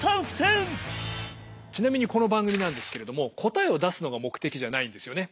ちなみにこの番組なんですけれども答えを出すのが目的じゃないんですよね。